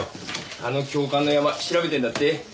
あの教官のヤマ調べてるんだって。